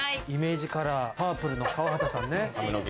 イメージカラー、パープルの川畑さん。